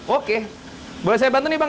oke boleh saya bantu nih bang